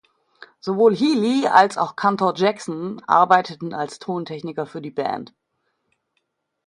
Sowohl Healy als auch Cantor-Jackson arbeiteten als Tontechniker für die Band.